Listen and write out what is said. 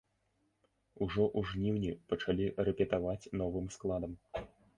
Ужо ў жніўні пачалі рэпетаваць новым складам.